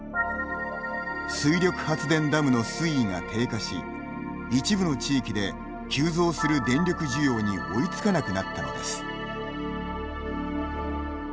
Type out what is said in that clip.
水力発電ダムの水位が低下し一部の地域で急増する電力需要に追いつかなくなったのです。